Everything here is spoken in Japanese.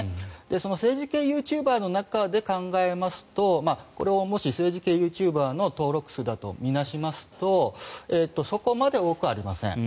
その政治系ユーチューバーの中で考えますとこれをもし政治系ユーチューバーの登録者だと見なしますとそこまで多くはありません。